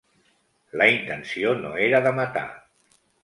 La intenció no era de matar.